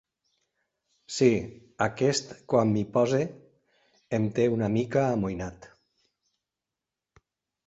Sí, aquest "quan m'hi posi" em té una mica amoïnat.